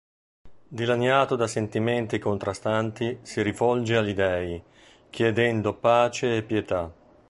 Dilaniato da sentimenti contrastanti, si rivolge agli dei, chiedendo pace e pietà.